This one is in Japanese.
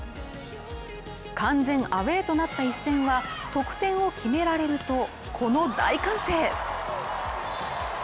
完全アウェーとなった一戦は得点を決められるとこの大歓声